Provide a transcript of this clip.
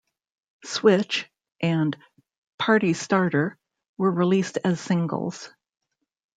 "Switch" and "Party Starter" were released as singles.